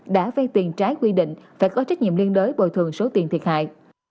đã vay tiền trái quy định phải có trách nhiệm liên đới bồi thường số tiền thiệt hại